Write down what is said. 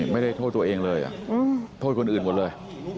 ไม่ได้โทษตัวเองเลยโทษคนอื่นหมดเลย